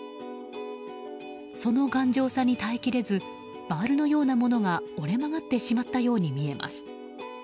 その頑丈さに耐えきれずバールのようなものが折れ曲がってしまったように見えます。